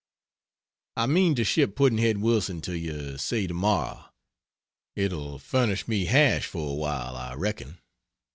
I mean to ship "Pudd'nhead Wilson" to you say, tomorrow. It'll furnish me hash for awhile I reckon.